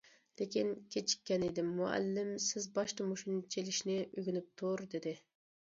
لېكىن، كېچىككەنىدىم، مۇئەللىم سىز باشتا مۇشۇنى چېلىشنى ئۆگىنىپ تۇر، دېدى.